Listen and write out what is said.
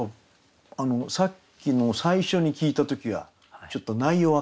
さっきの最初に聞いた時はちょっと内容分かんなかった。